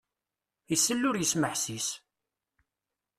Isell ur yesmeḥsis!